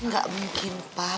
gak mungkin pak